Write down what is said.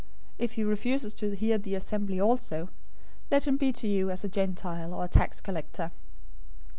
If he refuses to hear the assembly also, let him be to you as a Gentile or a tax collector.